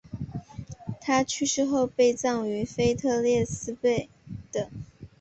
他去世后被葬于腓特烈斯贝的。